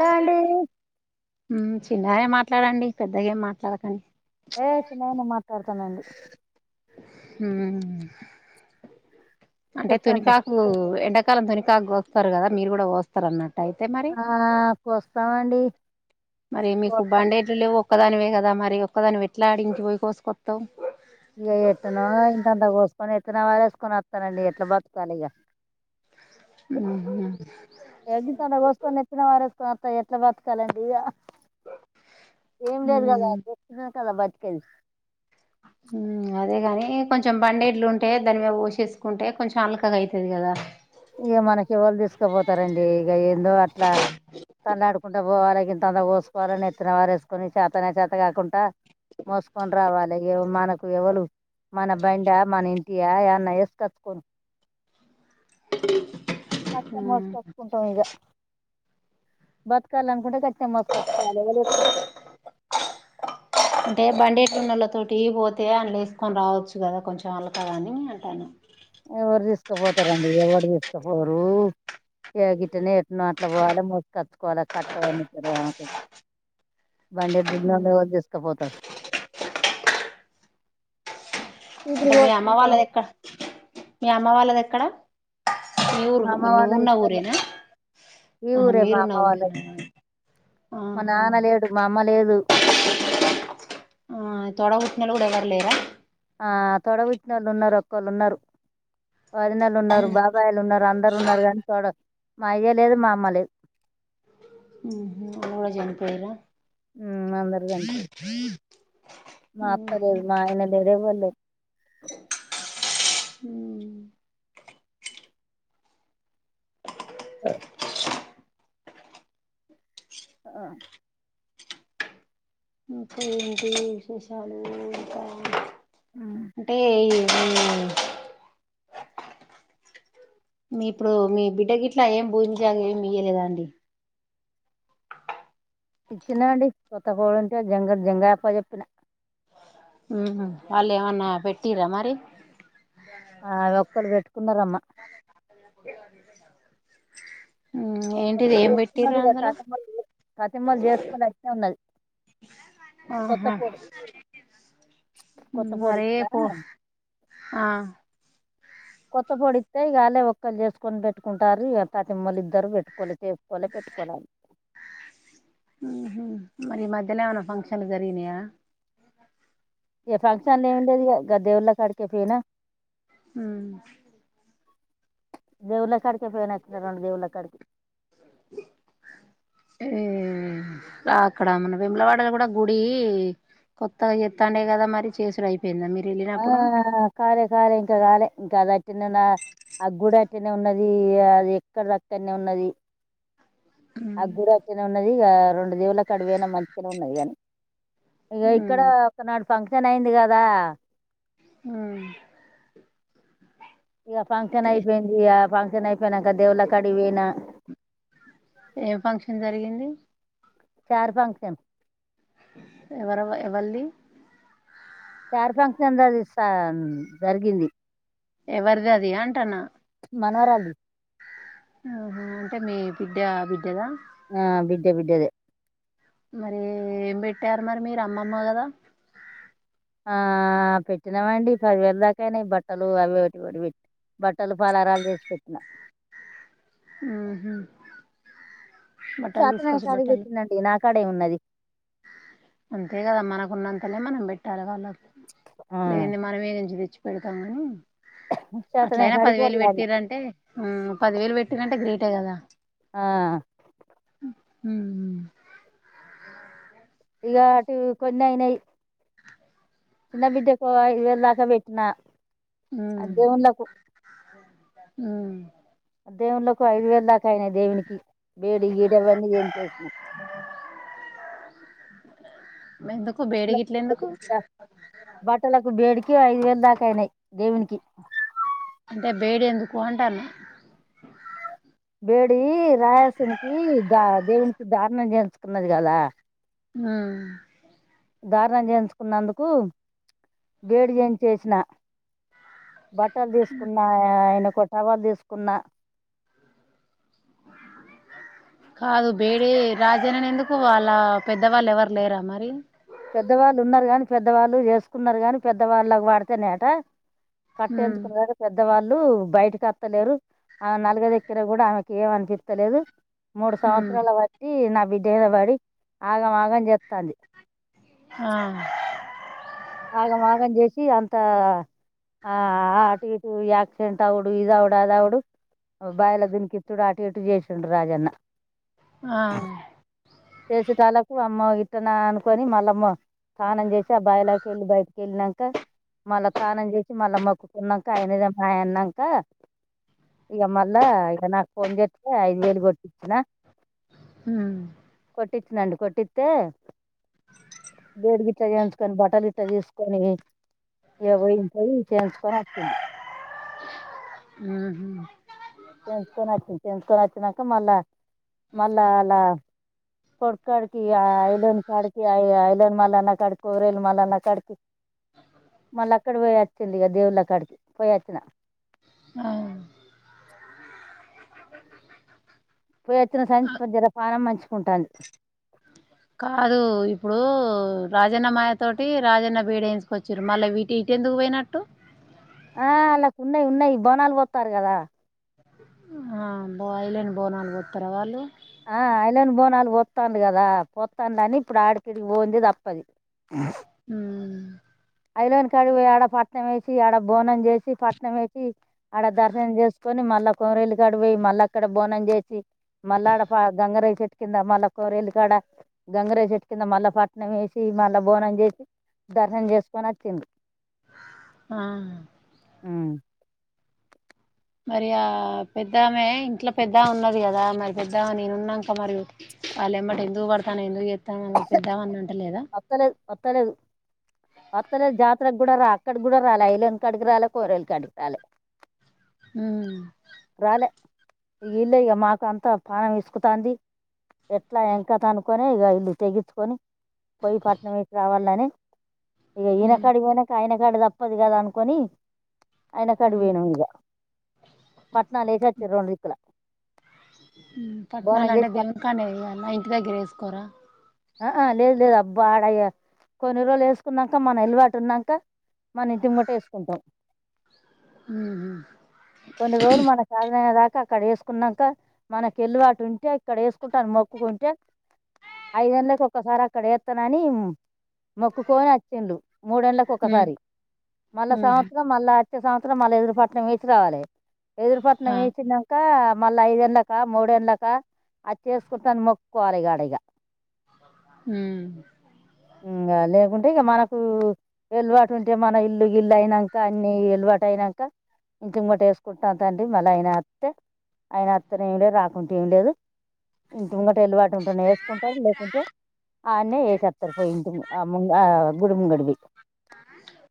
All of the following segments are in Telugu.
ఆ అండి చిన్నగనే మాట్లాడండీ పెద్దగా ఏం మాట్లాడకండీ ఏ చిన్నగనే మాట్లాడుతానండీ హ్మ్ అంటే చెప్పండి తునికాకూ ఎండాకాలం తునికాకు కోత్తరు గదా మీరు గూడా కోస్తరు అన్నట్ ఆ కోస్తామండీ మరి మీకు బండేడ్లు లేవు ఒక్కదానివే గదా మరి ఒక్కదానివి ఎట్లా ఆడివికి పోయి కోసుకొత్తవ్ ఇగ ఎట్టనో ఇంతంతా కోసుకొని నెత్తిన పారేసుకొని అత్తనండీ ఎట్ల బతుకాలి ఇగ ఉహు ఎ గింతంతా కోసుకొని నెత్తిన పారేసుకొని అత్త ఎట్ల బతకాలండీ ఇగ ఏం లేదు గదా హ్మ్ గిట్లనే గదా బతికేది కొంచం బండేడ్లు ఉంటే దాని మీద పోసేసుకుంటే కొంచం అలకగ అయితది గదా ఇగ మనకి ఎవలు తీసుకపోతరండీ ఇగ ఏందో అట్లా తల్లాడు కుంట పోవాలె గింతంత కోసుకోవాలె నెత్తిన పారేసుకొని చాతనై చాత కాకుంటా మోసుకొని రావాలె ఎవ మనకు ఎవలూ మన బండా మన ఇంటియా ఏమన్న యేసుకచ్చుకొన్ కష్టం హ్మ్ మోసుకచ్చుకుంటం ఇగ బతకాలనుకుంటే గాట్నే మోసుకొచ్చుకోవాలి ఎవలు ఎత్తుకత్తరు తోటీ పోతే అన్ల ఎసుకొని రావచ్చు గదా కొంచం అలకగా అనీ అంటాన ఎవరు తీసుకుపోతారండీ ఎవడు తీసుకపోరూ ఏ గిట్టనే ఎట్నో అట్ల పోవాలె మోసుకచ్చుకోవాలి కట్టమో నిట్టూరమో అనుకుంట బండెడ్లు హ్మ్. ఉన్నోళ్లు ఎవలు తీసుకపోతరు ఇప్పుడు మీ అమ్మ పోసుకుంటాం వాళ్ళది ఎక్కాడ మీ అమ్మ వాళ్ళది ఎక్కడా మా అమ్మ వాళ్ళది ఇక్కన్నే ఈ ఆహా ఊరే మా మీరున్న అమ్మ ఊరేనా వాళ్ళది మా ఆహా నాన లేడు మా అమ్మ లేదూ ఆ తోడ బట్టినోళ్లు గూడ ఎవరు లేరా ఆ తొడబుట్టినోళ్ళు ఉన్నరు ఒక్కలు ఉన్నరు వదినలు ఉన్నరు బాబాయిలు ఉన్నరు అందరు ఉన్నరు కానీ తోడ మా అయ్య లేదు మా అమ్మ లేదు ఉహు అమ్మ కూడా చనీ పోయిరా అందరు చనిపోయిరు మా అత్తలేదు మా ఆయన లేదే ఎవడులేదు హ ఓ ఆ ఇంక ఏంటి విశేషాలు ఇంకా ఉమ్ అంటే అ మీ ఇప్పుడు మీ బిడ్డ గిట్లా ఏం [unintelligible] భోజించాగ మయ్యలేదా అండి ఇచ్చిన అండి ఒక్క కోడుంటే జంగ జంగాయప్పకి చెప్పిన ఉ హ్ వాళ్ళ ఏమన్నా పెట్టిరా మరి ఆ ఒక్కరు పెట్టుకున్నారమ్మా ఉ ఏంటిది ఒక్కరు ఏం పెట్టిరు పెట్టుకున్నారు ఇక అందులో తతిమలు తతిమలు చేసుకుని అట్నే ఉన్నది కొత్త ఆహా పొడి కొత్త పొడి మరే ఇచ్చిన పో ఆ కొత్త పొడిస్త ఇక అలేే ఒక్కలు చేసుకొని పెట్టుకుంటారు ఇక తతిమలు ఇద్దరు పెట్టుకోలే తేసుకోలే పె ాల [unintelligible] ఉ హ్ మరి ఈ మధ్య లొ ఏమన్నా ఫంక్షన్లు జరిగినయా ఇక ఫంక్షన్లు ఏమి లేదిగ ఆ దేవుళ్ళ కాడికే పొయినా హ దేవుల్ల కాడికి ఊరికే పోయినా రెండు దేవుళ్ళ కాడికి అ అక్కడ మన వేములవాడలో కూడా గుడి కొత్తగా చెత్తాండే కదా మరి చేసుడుఅయిందా అదా కాలే కాలే ఇంకా కాలే ఇంకా అది అట్టనే ఆ గుడి అట్టనే ఉన్నది అది ఎక్కడది అక్కనే ఉన్నది ఆ గుడి అట్టనే ఉన్నది ఇక రెండు దేవుల కాడికీబొయినా మంచిగానే ఉన్నది కానీ ఇగ ఇక్కడ ఒకనాడు ఫంక్షన్ అయింది కదా ఆ ఇక ఫంక్షన్ అయిపోయింది ఇక ఫంక్షన్ అయిపోయినాక దేవుల కాడికి పోయినా ఏం ఫంక్షన్ జరిగింది మబ ట [unintelligible] ఎవరెవ ఎవల్ది శారీ ఫంక్షన్ ద స జరిగింది ఎవరిది అది అంటాన్నా మనవరాలిది హ అంటే మీ బిడ్డ బిడ్డ ద ఆ బిడ్డ బిడ్డదే మరి ఏం పెట్టారు మరి మీరు అమ్మమ్మ కదా ఆ పెట్టినామండి పదివేల దాకాయినాయి బట్టలు అవి ఒకటి ఒకటి పెట్టి బట్టలు పలహరాలు చేసి పెట్టిన ఆహ బట్టలు చేతనైన తీసుకొచ్చి కాడికి బట్టలు పెట్టినండి నా కాడే ఉన్నది అంతే కదా మనకున్నంత అక్కనే మనం పెట్టాలి వాళ్ళకు ఆ లేనిది మనం యానుంచి తెచ్చి పెడతాం కాని చేతనైన అట్లయినా కాడికి పదివేలు పొరలాడిన పెట్టిరంటే ఉ పదివేలు పెట్టిరంటే గ్రేటే కదా ఆ హ ఇక అటు కొన్ని అయినాయి చిన్న బిడ్డకు ఇదివల్ దాకబెట్నా అ దేవుళ్ళకు ఆ దేవుల్లకు ఐదు వేల దాకా అయినాయి దేవునికి బేడు [unintelligible] ఈడవన్నీ ఏం చేసిన ఎందుకు బేడి గిట్ల ఎందుకు బట్టలకు బేడికి ఐదు వేలు దాకా అయినాయి దేవునికి అంటే బేడి ఎందుకు అంటాన్న బేడి రాజేసునికి దా దేవునికి దారుణం చేయించుకున్నది కదా ఆ దార్ణ జేయిచుకున్నందుకు బేడి చేంచేసిన బట్టలు దీస్కున్నా ఆయన ఒక టవల్ దీ స్కున్నా కాదు బేడీ రాజేనని ఎందుకు వాళ్ళ పెద్దవాళ్ళు ఎవరు లేరా మరి పెద్దవాళ్ళు ఉన్నారు గాని పెద్దవాళ్ళు ఎసుకున్నారు గాని పెద్దవాళ్ళక్ వాడతినయ్ అట కట్ట ఉమ్ ఎంచుకున్న గాని పెద్దవాళ్ళు ళ్ళు బయటికి వత్తలేరు ఆ నలుగ దిక్కిర గూడా ఆమెకి ఏమ్ అనిపిత్తలేదు మూడు ఉమ్ సంవత్సరాల బట్టి నా బిడ్డమీదబడి ఆగం ఆగం జెత్తంది ఆ.. ఆగం ఆగం జేసి అంత ఆ ఆటు ఇటు యాక్సిడెంట్ అవుడు ఇదవుడు అదవుడు బాయల దీనికిత్తుడు అటు ఇటు చేసిండు రాజన్న ఆ చేసెటాల్లకు అమ్మో ఇట్టన అనుకొని మళ్ళమొ స్నానం చేసి ఆ బాయిలక్ కెళ్ళి బయటకెళ్ళినంక మళ్ళా తానం చేసి మళ్ళా మొక్కుకున్నాక ఆయనదేం అయిన్నాక ఇగ మళ్ళ ఇగ నాకు ఫోన్ చేత్తే ఐదు వేలు గొట్ మ్మ్మ్ ట్టిట్ న్నండు కొట్టిత్తే బేడిగిట్ట జేయిచుకొని బటల్ ఇ ఇట్ట తీసుకొని ఇగ ఓయిన్ పోయి చేయించుకొన్ వచ్చింది ఉహు చేయించుకొని వచ్చింది చేయించుకొని వచ్చినాక మళ్ళా మళ్ళా అలా కొడు కాడికి ఐలేన్ కాడికిఐ ఐలెన్ మల్లన్న కాడికి కొరెల్ మల్లన్న కాడికి మళ్ళీ అక్కడ ఓయ్ వచ్చింది ఇగ దేవుళ్ళ కాడికి పోయొచ్చిన ఆ కుంటాంది కాదు ఇప్పుడు రాజన్న మాయ తోటి రాజన్న బీడు ఎయించుకొచ్చిరు మళ్ళీ వీటి ఇటి ఎందుకు ఓయినట్టు ఆ అల్లకు ఉన్నాయ్ ఉన్నాయ్ బోనాలు పోత్తరు కదా ఆ బోయలేని బోనాలు ఓత్తర వాళ్ళు ఆ అయ్ లేని బోనాలు ఓత్తాంది గలా పోత్తాన్లని ఇప్పుడు ఆడికి ఇది ఓంది తప్పది ఆ [unintelligible] మ్మ్మ్ ఐలేని కాడికి ఓయి ఆడ పట్నం వేసి ఆడ బోనం జేసి పట్నం వేసి ఆడ దర్శనం జేస్కొని మళ్ళా కొరేలు కాడి ఓయి మళ్ళా అక్కడ బోనం జేసి మళ్ళాడ గంగరేగు చెట్టు కింద మళ్ళ కొరేలు కాడ గంగరేగుచెట్టు కింద మళ్ళా పట్నం వేసి మళ్ళ బోన జేసి దర్శనం జేసుకొని అచ్చింది ఆ మ్మ్ మరి ఆ పెద్దామే ఇంట్లో పెద్ద ఆమె ఉన్నది కదా మరి పెద్ద ఆమె నేనున్నక మరి వాళ్ళు ఏమ్మట ఎందుకు పడతనవ్ ఎందుకు చేత్తనవు పెద్దామె అన్న అంటలేదా వత్తలేదు వత్తలె జాతర గూడా రా అక్కడ గూడా రాలే ఐలేని కాడికి రాలే కొరేల్ కాడికి రాలే హ్మ్ రాలే ఇగ ఈళ్ళె ఇగ ఇక మాకు అంతా పానం ఇసుకుతాంది ఎట్లా ఎంకట అనుకొని ఇగ ఇల్లు తెగచ్చుకొని పొయ్యి పట్నంకి రావాలని ఇగ ఈయన కాడికి పోయినాక ఆయన కాడ తప్పదు కదా అనుకొని అయన కాడి ఉమ్, పోయినామ్ ఇంగ లేసొచ్చె రెండు దిక్కుల బోనం పట్నాలు అంటే చేసి పట్ దేవునికాన్నే వెయ్యాల ఇంటి దగ్గర వేసుకోరా అ అ లేదు లేదు అబ్బా ఆడయ కొన్ని రోలు ఎసుకున్నాక మన అల్లువాటు ఉన్నాక మన ఇంటి ముంగట్ వేసుకుంటాం మ్ ఉమ్మ్, కొన్ని రోజులు మన సాధన ఏలా ఇంక అక్కడ వేసుకున్నాక మనకి ఎల్లువాటు ఉంటే ఇక్కడ వేసుకుంటాను మొక్కుకుంటే ఐదేళ్లకి ఒక్కసారి అక్కడ ఏత్తర్ అని మొక్కుకొని వచ్చిండు మూడేండ్లకి ఉమ్, ఒక్కసారి మళ్ళా ఉమ్మ్, సంవత్సరం మళ్ళా ప్రతి సంవత్సరం మళ్ళ ఎదురుపట్నం వేసి రావాలి ఎదురుపట్నం ఆ, వేసినాక మళ్ళ ఐదే ఎండ్లక మూడే ఎండ్లక అది చేసుకుంటాను మొక్కోవాలి ఇగఆడ్ ఇగ మ్మ్ ఇంగ లేకుంటే ఇక మనకు వెల్ వాటు ఉంటే మన ఇల్లు గిల్లు అయినాక అన్ని వెల్ వాట్ అయినాక ఇంక ఇమ్మట వేసుకుంటాం తండ్రి మళ్ళ ఆయన వత్తే ఆయన వత్తు నైలే రాకుంటే ఏం లేదు ఇంటి ముంగట వెల్ వాటు ఉంటనే స్ గుడుము గడ్ వి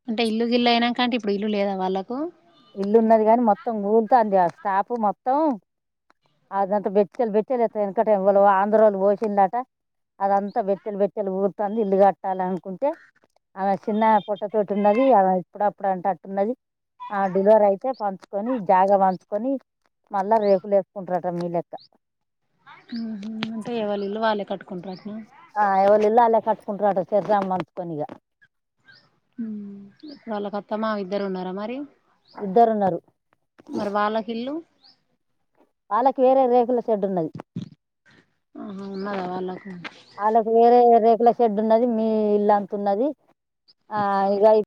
అంటే ఇల్లు గిల్లు అయినాకంటే ఇప్పుడు ఇల్లు లేదా వాళ్ళలకు ఇల్లు ఉన్నది గానీ మొత్తం లూప్ త [inaudible] స్టాపు మొత్తం అదంతా బెచ్చల్ బెచ్చలి ఎత్త ఎంతకైను ఆంధ్రలో పోసిందమ్ టా అదంతా బెచ్చేలు బెచ్చేలు ఊరుతాంది ఇల్లు కట్టాలి అనుకుంటే ఆమె చిన్న పొట్టతోటి ఉన్నది ఆమె ఇప్పుడు అప్పుడు అంట అట్టున్నది ఆ డెలివరీ అయితే పంచుకొని జాగా పంచుకొని మళ్ళా రేపులు వేసుకుంట్రా స మీ లెక్క కట్టుకుంటారట్నా ఆ ఎవర్ ఇళ్ళో ఆల్లే కట్టుకుంటారట చే [inaudible] నిగ హ్మ్ వాళ్ళకు అత్త మామ ఇద్దరు ఉన్నారా మరి ఇద్దరున్నారు మరి వాళ్ళకి ఇల్లు వాళ్ళకి వేరే రేగులు చెడ్డున్నది ఆహా ఉన్నదా వాళ్ళకు వాళ్ళకు వేరే వేరే షెడ్ ఉన్నది మీ ఇల్లంత ఉన్నది ఆ ఇగ ఇ